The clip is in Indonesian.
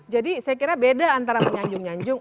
jadi saya kira beda antara menyanjung nyanjung